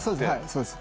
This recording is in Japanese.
そうです。